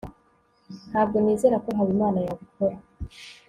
ntabwo nizera ko habimana yabikora